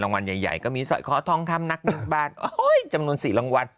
รางวัลใหญ่ก็มีสอยข้อทองค่ำนักนึกบ้านโอ้ยจำนวนสีรางวัล